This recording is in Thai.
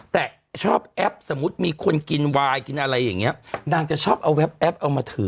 แต่ชอบแอปสมมุติมีคนกินวายกินอะไรอย่างเงี้ยนางจะชอบเอาแป๊บแอปเอามาถือ